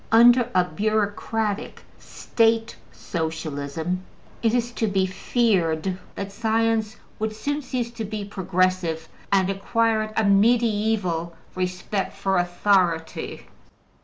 Under a bureaucratic State Socialism it is to be feared that science would soon cease to be progressive and acquired a medieval respect for authority.